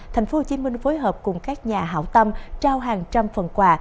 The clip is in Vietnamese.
thành phố hồ chí minh phối hợp cùng các nhà hảo tâm trao hàng trăm phần quà